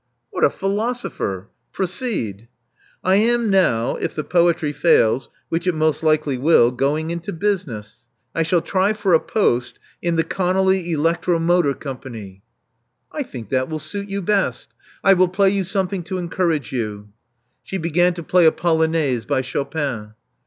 What a philosopher ! Proceed. '' I am now — if the poetry fails, which it most likely will — going into business. I shall try for a post in the ConoUy Electro Motor Company." 404 Love Among the Artists I think that will suit you best. I will play you some thin «^ to encourage you.*' She began to play a polonaise by Chopin.